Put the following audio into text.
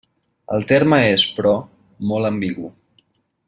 El terme és, però, molt ambigu.